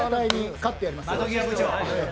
勝ってやりますよ。